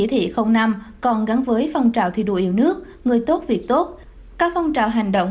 thị không nam còn gắn với phong trào thi đua yêu nước người tốt việc tốt các phong trào hành động